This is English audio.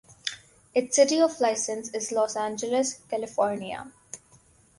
Its city of license is Los Angeles, California.